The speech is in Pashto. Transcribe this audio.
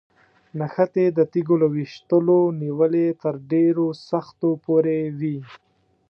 نښتې د تیږو له ویشتلو نیولې تر ډېرو سختو پورې وي.